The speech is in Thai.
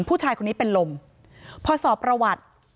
ผู้ชายคนนี้เป็นลมพอสอบประวัติ